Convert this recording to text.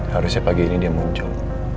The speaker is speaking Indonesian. harusnya pagi ini dia muncul